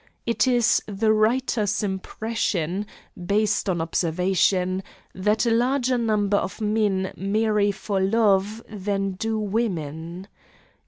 It is the writer's impression, based on observation, that a larger number of men marry for love than do women.